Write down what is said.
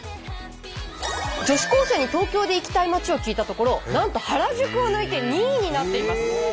女子高生に東京で行きたい街を聞いたところなんと原宿を抜いて２位になっています。